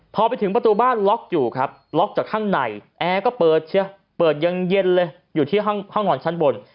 พอไปถึงประตูบ้านล็อกอยู่ครับล็อกจากข้างในแอร์ก็เปิดเชียเปิดยังเย็นเลยอยู่ที่ห้องนอนชั้นบน